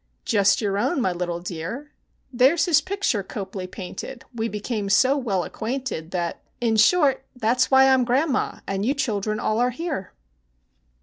Just your own, my little dear, There's his picture Copley painted: we became so well acquainted, That in short, that's why I 'm grandma, and you children all are here!